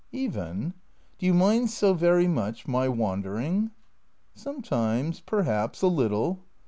" Even ? Do you mind so very much — my wandering ?"" Sometimes, perhaps, a little."